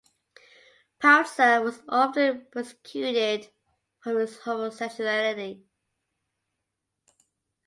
Peltzer was often persecuted for his homosexuality.